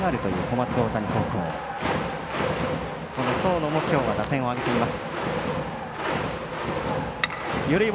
僧野もきょうは打点を挙げています。